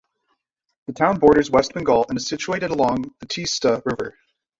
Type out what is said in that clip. The town borders West Bengal and is situated along the Teesta river.